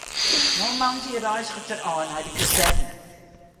No moandei reizget er ôf nei de kazerne.